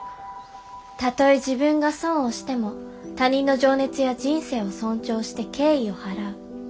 たとえ自分が損をしても他人の情熱や人生を尊重して敬意を払う。